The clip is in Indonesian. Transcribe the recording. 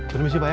permisi pak ya